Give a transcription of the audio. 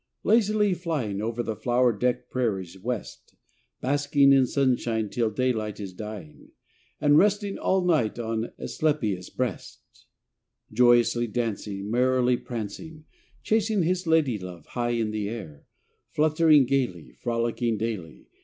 Lazily flying Over the flower decked prairies, West; Basking in sunshine till daylight is dying, And resting all night on Asclepias' breast; Joyously dancing, Merrily prancing, Chasing his lady love high in the air, Fluttering gaily, Frolicking daily.